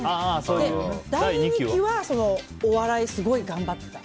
で、第２期はお笑いをすごい頑張った。